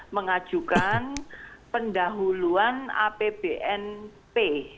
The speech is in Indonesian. mengajukan pendahuluan apbnp